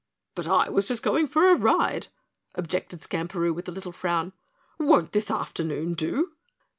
"But I was just going for a ride," objected Skamperoo with a little frown, "won't this afternoon do?"